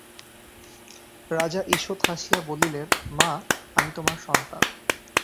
রাজা ঈষৎ হাসিয়া বলিলেন, মা, আমি তোমার সন্তান।